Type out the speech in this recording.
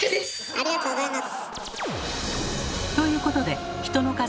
ありがとうございます。